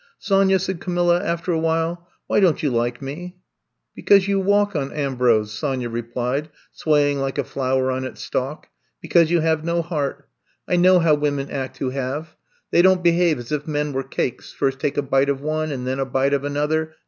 Sonya," said Camilla, after a while, why don't you like mef " '^Because you walk on Ambrose, Sonya replied, swaying like a flower on its stalk. Because you have no heart. I know how I'YE COME TO STAY 127 women act who have. They don^t behave as if men were cakes — ^first take a bite of one and then a bite of another.